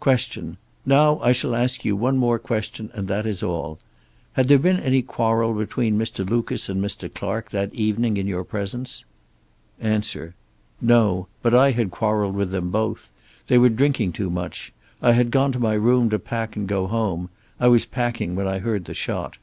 Q. "Now I shall ask you one more question, and that is all. Had there been any quarrel between Mr. Lucas and Mr. Clark that evening in your presence?" A. "No. But I had quarreled with them both. They were drinking too much. I had gone to my room to pack and go home. I was packing when I heard the shot."